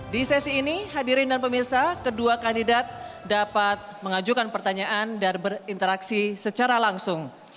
di sesi ini hadirin dan pemirsa kedua kandidat dapat mengajukan pertanyaan dan berinteraksi secara langsung